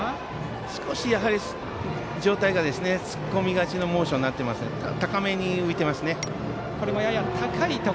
少し上体が突っ込みがちのモーションになっていて高めに浮いていますね。